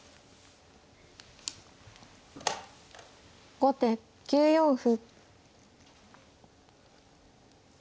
後手９四歩。